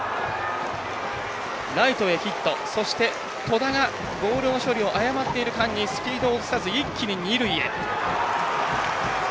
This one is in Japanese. ライトへヒット、そして戸田がボールの処理を誤っている間にスピードを落とさず一気に二塁へ。